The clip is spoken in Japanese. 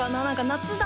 「夏だ！」